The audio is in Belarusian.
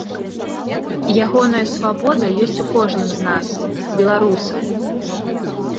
Ягоная свабода ёсць у кожным з нас, беларусаў.